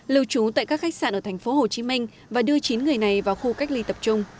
lưu trú tại các khách sạn ở thành phố hồ chí minh và đưa chín người này vào khu cách ly tập trung